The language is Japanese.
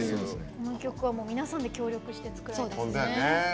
この曲は皆さんで協力して作られたんですね。